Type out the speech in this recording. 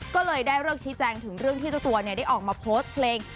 ก็เลยได้เลิกชี้แจงถึงเรื่องที่เจ้าตัวได้ออกมาโพสต์เพลง